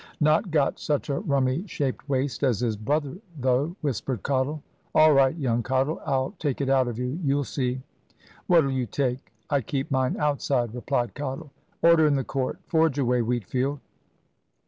"Not got such a rummy shaped waist as his brother, though," whispered Cottle. "All right, young Cottle, I'll take it out of you, you'll see." "What'll you take! I keep mine outside," replied Cottle. "Order in the court. Forge away, Wheatfield."